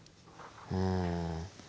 うん。